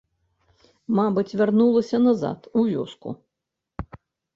Мабыць, вярнулася назад у вёску.